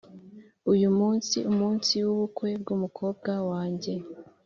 uyu munsi umunsi wubukwe bwumukobwa wanjye.